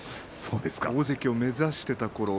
大関を目指していたころ